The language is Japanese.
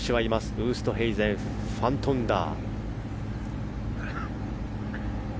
ウーストヘイゼンファントンダー。